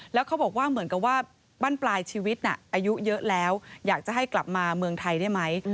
แล้วเขาบอกว่าเหมือนกับว่าบ้านปลายชีวิตน่ะอายุเยอะแล้วอยากจะให้กลับมาเมืองไทยได้ไหม